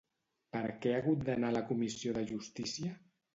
Per què ha hagut d'anar a la Comissió de Justícia?